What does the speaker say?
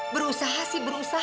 berusaha sih berusaha